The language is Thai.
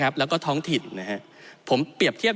ที่เราจะต้องลดความเหลื่อมล้ำโดยการแก้ปัญหาเชิงโครงสร้างของงบประมาณ